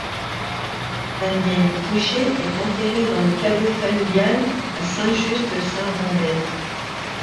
Daniel Pouget est enterré dans le caveau familial à Saint-Just-Saint-Rambert.